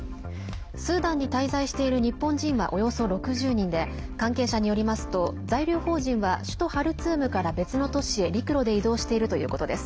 スーダンに滞在している日本人はおよそ６０人で関係者によりますと在留邦人は首都ハルツームから別の都市へ陸路で移動しているということです。